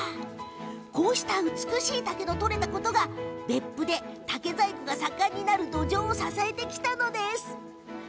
こうした美しい竹が取れたことが別府で竹細工が盛んになる土壌を支えてきたのです。